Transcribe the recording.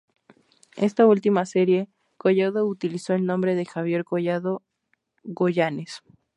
En esa última serie, Collado utilizó el nombre de Javier Collado- Goyanes.